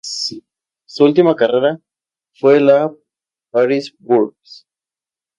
Su última carrera fue la París-Bourges.